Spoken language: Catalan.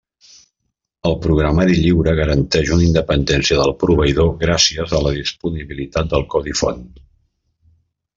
El programari lliure garanteix una independència del proveïdor gràcies a la disponibilitat del codi font.